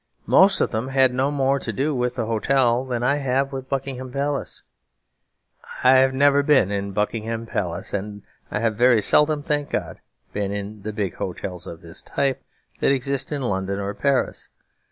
Most of them had no more to do with the hotel than I have with Buckingham Palace. I have never been in Buckingham Palace, and I have very seldom, thank God, been in the big hotels of this type that exist in London or Paris.